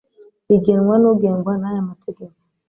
rigenwa n ugengwa n aya mategeko